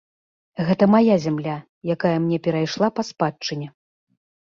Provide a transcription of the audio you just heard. Гэта мая зямля, якая мне перайшла па спадчыне.